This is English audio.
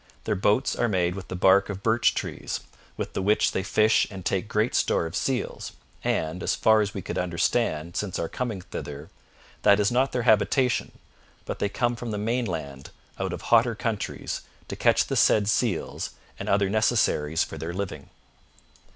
Their boats are made with the bark of birch trees, with the which they fish and take great store of seals, and, as far as we could understand since our coming thither, that is not their habitation, but they come from the mainland out of hotter countries to catch the said seals and other necessaries for their living.'